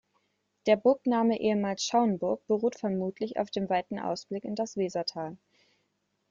Der Burgname, ehemals Schauenburg, beruht vermutlich auf dem weiten Ausblick in das Wesertal.